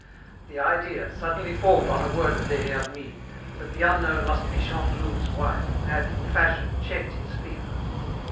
The idea, suddenly formed on a word of Des Hermies, that the unknown must be Chantelouve's wife, had, in fashion, checked his fever.